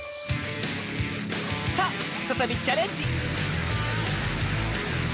さあふたたびチャレンジ！